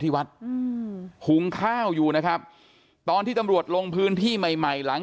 ที่วัดอืมหุงข้าวอยู่นะครับตอนที่ตำรวจลงพื้นที่ใหม่ใหม่หลัง